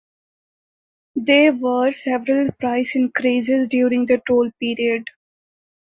There were several price increases during the toll period.